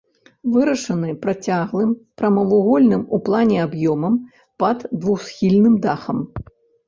Вырашаны працяглым прамавугольным у плане аб'ёмам пад двухсхільным дахам.